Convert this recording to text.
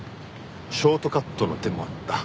ショートカットの手もあった。